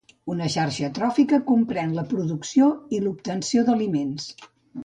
Una xarxa tròfica comprèn la producció i l'obtenció d'aliments.